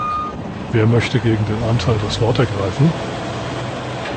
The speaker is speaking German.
Wer möchte gegen den Antrag das Wort ergreifen?